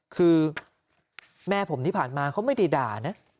คือแม่ผมที่ผ่านมาเขาไม่ได้ด่านะ